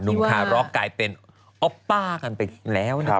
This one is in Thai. ดูนะคะรอบกลายเป็นอ๊อปป้ากันไปแล้วนะครับ